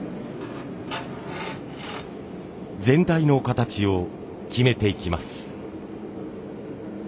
全体の形を決めていきます。